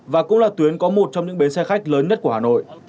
và cũng là tuyến có một trong những bến xe khách lớn nhất của hà nội